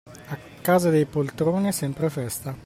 A casa dei poltroni è sempre festa.